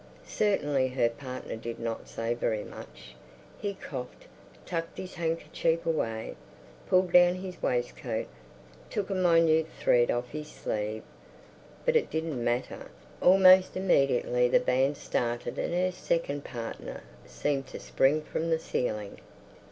Certainly her partner did not say very much. He coughed, tucked his handkerchief away, pulled down his waistcoat, took a minute thread off his sleeve. But it didn't matter. Almost immediately the band started and her second partner seemed to spring from the ceiling.